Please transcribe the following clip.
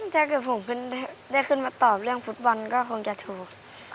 ถ้าเกิดผมได้ขึ้นมาตอบเรื่องฟุตบอลก็คงจะถูก